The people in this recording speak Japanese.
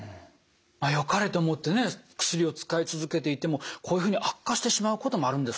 よかれと思ってね薬を使い続けていてもこういうふうに悪化してしまうこともあるんですね。